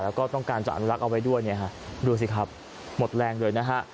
แล้วก็ต้องการจะอนุรักษ์เอาไว้ด้วยเนี่ยฮะดูสิครับหมดแรงเลยนะฮะ